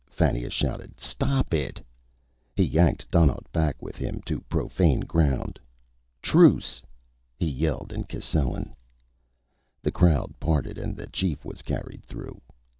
Fannia shouted. "Stop it." He yanked Donnaught back with him, to profane ground. "Truce!" he yelled in Cascellan. The crowd parted and the chief was carried through.